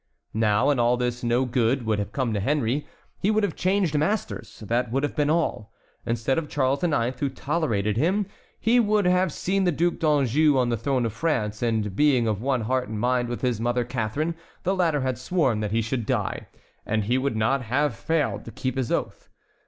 Now in all this no good would have come to Henry. He would have changed masters, that would have been all. Instead of Charles IX. who tolerated him, he would have seen the Duc d'Anjou on the throne of France, and being of one heart and mind with his mother Catharine, the latter had sworn that he should die, and he would not have failed to keep his oath.